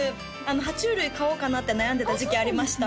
は虫類買おうかなって悩んでた時期ありました